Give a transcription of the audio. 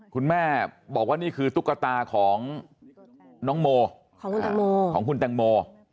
คุณแม่บอกว่านี่คือตุ๊กตาของน้องโมของคุณแต่งโม